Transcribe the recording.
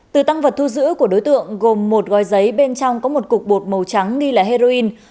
từ tăng vật thu giữ của đối tượng gồm một gói giấy bên trong có một cục bột màu trắng nghi là heroin